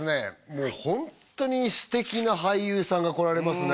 もうホントに素敵な俳優さんが来られますね